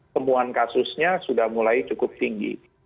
temuan kasusnya sudah mulai cukup tinggi